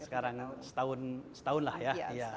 sekarang setahun lah ya